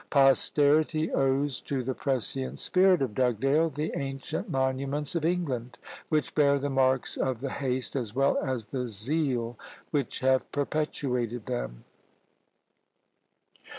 Posterity owes to the prescient spirit of Dugdale the ancient Monuments of England, which bear the marks of the haste, as well as the zeal, which have perpetuated them.